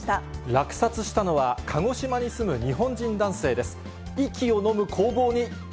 落札したのは鹿児島に住む日本人男性です。